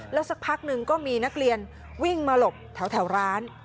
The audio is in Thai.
แล้วสักพักหนึ่งก็มีนักเรียนวิ่งมาหลบแถวร้าน